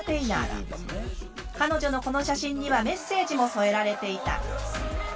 彼女のこの写真にはメッセージも添えられていた。